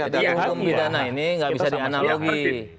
jadi umum bidana ini gak bisa dianalogi